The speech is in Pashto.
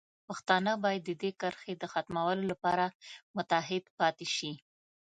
پښتانه باید د دې کرښې د ختمولو لپاره متحد پاتې شي.